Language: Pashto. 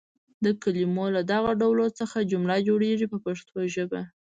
د کلمو له دغو ډولونو څخه جمله جوړیږي په پښتو ژبه.